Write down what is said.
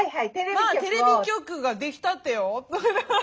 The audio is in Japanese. まあテレビ局ができたってよ。